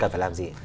cần phải làm gì